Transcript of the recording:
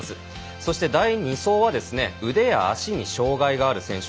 そして第２走は腕や足に障がいがある選手。